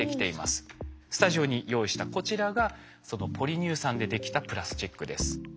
スタジオに用意したこちらがそのポリ乳酸でできたプラスチックです。